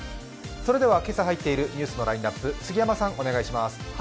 それではけさ入っているニュースのラインナップ、お願いします。